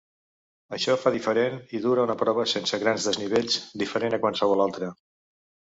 Això fa diferent i dura una prova sense grans desnivells, diferent a qualsevol altra.